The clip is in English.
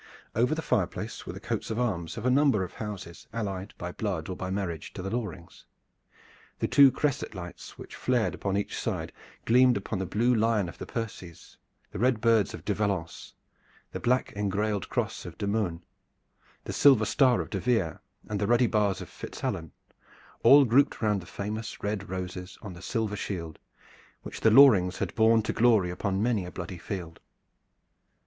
Over the fireplace were the coats of arms of a number of houses allied by blood or by marriage to the Lorings. The two cresset lights which flared upon each side gleamed upon the blue lion of the Percies, the red birds of de Valence, the black engrailed cross of de Mohun, the silver star of de Vere, and the ruddy bars of FitzAlan, all grouped round the famous red roses on the silver shield which the Lorings had borne to glory upon many a bloody field.